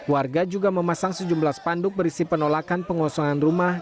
warga juga memasang sejumlah spanduk berisi penolakan pengosongan rumah